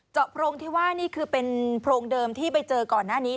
โพรงที่ว่านี่คือเป็นโพรงเดิมที่ไปเจอก่อนหน้านี้